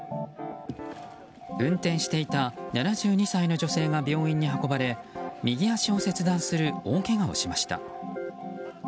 運転していた７２歳の女性が病院に運ばれ右足を切断する大けがをしました。